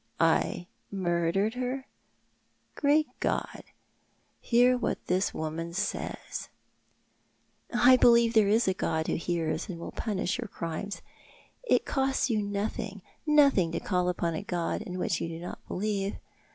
" I — I — murdered her ? Great God, hear ,what this woman says !"" I believe there is a God who hears and will punish your crimes. It costs you nothing, nothing to call upon a God in whom you do not believe.